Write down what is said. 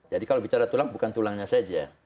jadi kalau bicara tulang bukan tulangnya saja